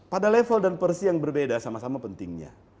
pada level dan porsi yang berbeda sama sama pentingnya